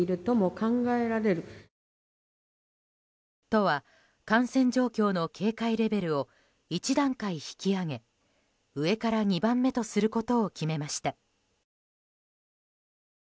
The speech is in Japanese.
都は感染状況の警戒レベルを一段階引き上げ上から２番目とすることを決めました。